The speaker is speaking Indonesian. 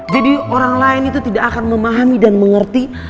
jadi orang lain itu tidak akan memahami dan mengerti